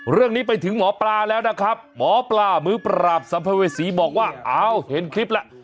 เรื่องนี้ไปถึงหมอปลาแล้วนะครับหมอปลามือปราบสัมภเวษีบอกว่าอ้าวเห็นคลิปแล้ว